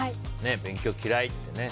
勉強、嫌いってね。